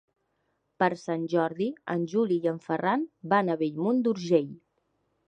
Per Sant Jordi en Juli i en Ferran van a Bellmunt d'Urgell.